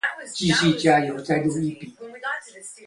護照遺失